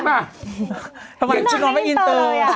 ทำไมฉันนอนไม่อินเตอร์